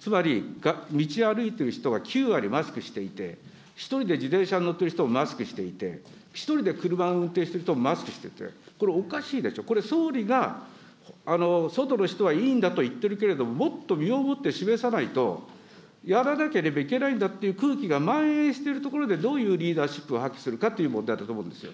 つまり、道歩いている人が９割マスクしていて、１人で自転車に乗ってる人もマスクしていて、１人で車運転している人もマスクしていて、これ、おかしいでしょ、これ、総理が外の人はいいんだと言ってるけれども、もっと身をもって示さないと、やらなければいけないんだという空気がまん延してるところでどういうリーダーシップを発揮するかという問題だと思うんですよ。